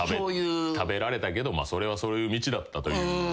食べられたけどそれはそういう道だったという。